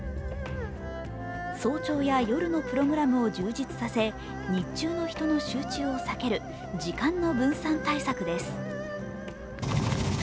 早朝や夜のプログラムを充実させ、日中の人の集中を避ける、時間の分散対策です。